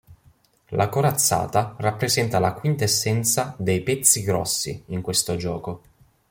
La corazzata rappresenta la quintessenza dei "pezzi grossi" in questo gioco.